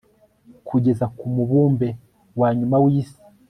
kugeza ku mubumbe wa nyuma wisi